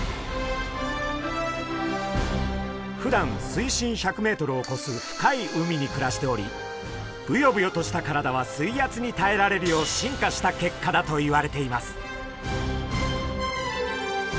ふだん水深１００ｍをこす深い海に暮らしておりブヨブヨとした体は水圧にたえられるよう進化した結果だといわれています。